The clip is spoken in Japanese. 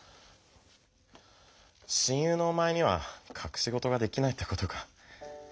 親友のおまえにはかくしごとができないってことか。